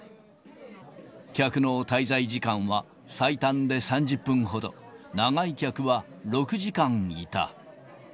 客の滞在時間は最短で３０分ほど、長い客は６時間いた。